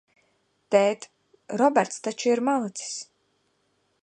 Tēt, Roberts taču ir malacis?